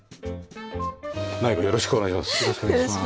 内部よろしくお願いします。